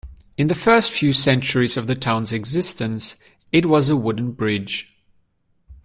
In the first few centuries of the town's existence, it was a wooden bridge.